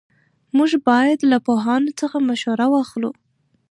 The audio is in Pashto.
موږ باید له پوهانو څخه مشوره واخلو.